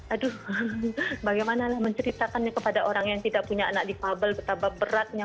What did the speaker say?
aduh bagaimana menceritakannya kepada orang yang tidak punya anak difabel betapa beratnya